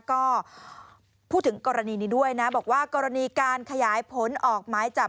ก็พูดถึงกรณีนี้ด้วยนะบอกว่ากรณีการขยายผลออกหมายจับ